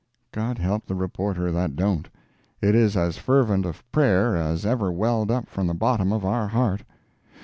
God help the reporter that don't! It is as fervent a prayer as ever welled up from the bottom of our heart.